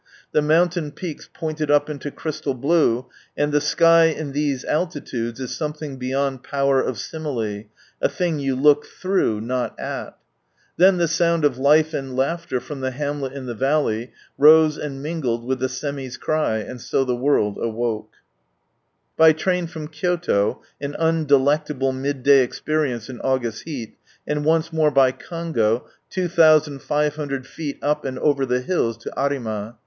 The mountain peaks pointed up into crystal blue, — and the sky in these altitudes is something beyond power of simile, a thing you look through, not at. Then the sound of life and laughter from the hamlet in the valley, rose and mingled with the semmie's cry, and so the world awoke. 48 From Sunrise Land By train from Kyoto (an iindelectable midday experience in August heat), and once more by kango two thousand five hundred feet up and over the hills to Arima.